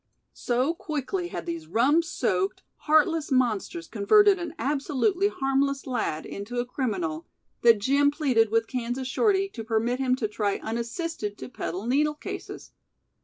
So quickly had these rum soaked, heartless monsters converted an absolutely harmless lad into a criminal, that Jim pleaded with Kansas Shorty to permit him to try unassisted to peddle needle cases.